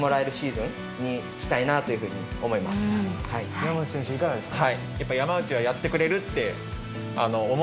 山内選手いかがですか？